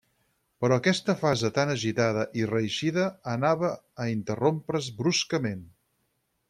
Però aquesta fase tan agitada i reeixida anava a interrompre's bruscament.